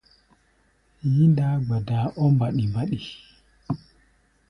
Yí-ndaá gbadaa ɔ́ mbaɗi-mbaɗi.